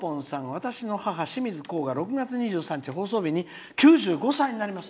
私の母、しみずこうが６月２３日放送日に９５歳になります。